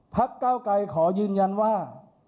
เก้าไกรขอยืนยันว่า